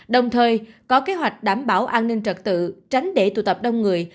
đồng thời có kế hoạch đảm bảo an ninh trật tự tránh để tụ tập đông người